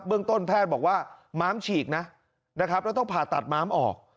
เรื่องต้นแพทย์บอกว่าม้ามฉีกนะนะครับแล้วต้องผ่าตัดม้ามออก